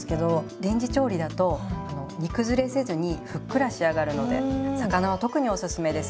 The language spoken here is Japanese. レンジ調理だと煮崩れせずにふっくら仕上がるので魚は特におすすめです。